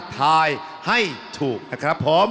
ถ่ายให้ถูกนะครับผม